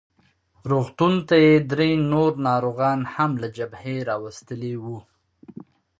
روغتون ته یې درې نور ناروغان هم له جبهې راوستلي وو.